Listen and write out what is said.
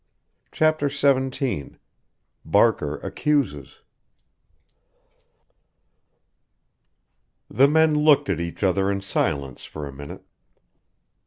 CHAPTER XVII BARKER ACCUSES The men looked at each other in silence for a minute.